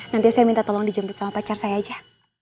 nanti saya minta tolong dijemput sama pacar saya aja